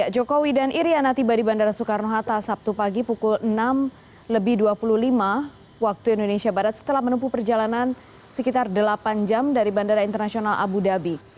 jokowi dan iryana tiba di bandara soekarno hatta sabtu pagi pukul enam lebih dua puluh lima waktu indonesia barat setelah menempuh perjalanan sekitar delapan jam dari bandara internasional abu dhabi